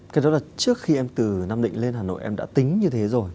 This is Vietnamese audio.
cái đó là trước khi em từ nam định lên hà nội em đã tính như thế rồi